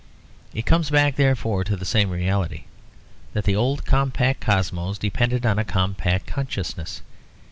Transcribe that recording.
It comes back therefore to the same reality, that the old compact cosmos depended on a compact consciousness.